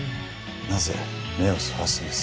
なぜ目をそらすんです？